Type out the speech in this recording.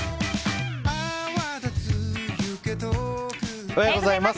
おはようございます。